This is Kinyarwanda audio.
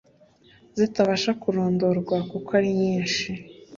zitabasha kurondorwa kuko ari nyinshi